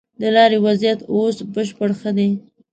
د لارې وضيعت اوس بشپړ ښه دی.